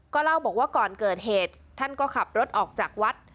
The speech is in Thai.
เล่าบอกว่าก่อนเกิดเหตุท่านก็ขับรถออกจากวัด